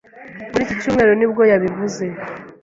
Muri iki cyumweru nibwo yabivuze